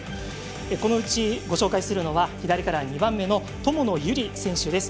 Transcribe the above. このうちご紹介するのは左から２番目友野有理選手です。